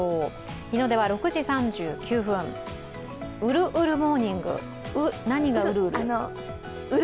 日の出は６時３９分、ウルウルモーニング、何がうるうる？